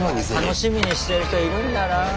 楽しみにしてる人いるんだな。